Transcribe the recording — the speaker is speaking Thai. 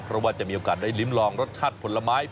เพราะว่าจะมีโอกาสได้ลิ้มลองรสชาติผลไม้